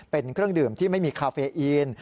เป็นเครื่องดื่มที่ไม่มีคาเฟอีน